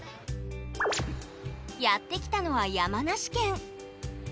やって来たのは山梨県。